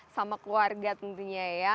sama keluarga tentunya ya